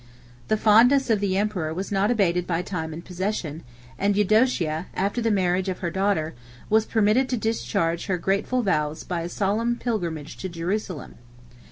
75 The fondness of the emperor was not abated by time and possession; and Eudocia, after the marriage of her daughter, was permitted to discharge her grateful vows by a solemn pilgrimage to Jerusalem.